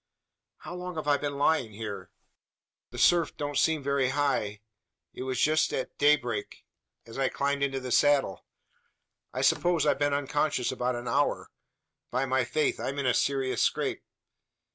"How long have I been lying here? The surf don't seem very high. It was just daybreak, as I climbed into the saddle. I suppose I've been unconscious about an hour. By my faith, I'm in a serious scrape?